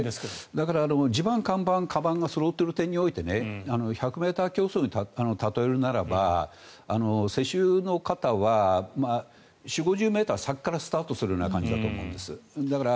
だから地盤、看板、かばんがそろっている点において１００ｍ競走に例えるならば世襲の方は４０５０ｍ先からスタートする感じだと思います。